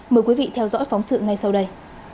mời quý vị theo dõi phóng sự ngay sau đây